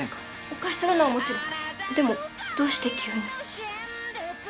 お貸しするのはもちろんでもどうして急に？